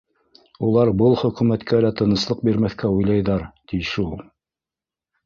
Улар был хөкүмәткә лә тыныслыҡ бирмәҫкә уйлайҙар, ти, шул.